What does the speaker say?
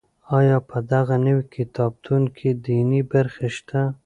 آیا په دغه نوي کتابتون کې دیني برخې شته؟